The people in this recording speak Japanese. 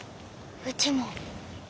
うちも。